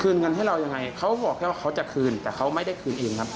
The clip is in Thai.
เงินให้เรายังไงเขาบอกแค่ว่าเขาจะคืนแต่เขาไม่ได้คืนเองครับ